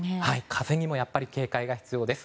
風にも警戒が必要です。